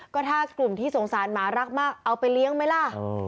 ก็ถ้ากลุ่มที่สงสารหมารักมากเอาไปเลี้ยงไหมล่ะ